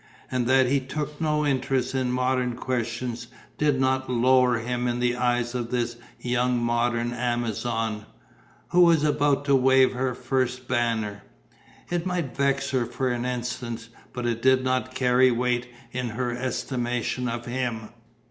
And that he took no interest in modern questions did not lower him in the eyes of this young modern Amazon, who was about to wave her first banner. It might vex her for an instant, but it did not carry weight in her estimation of him.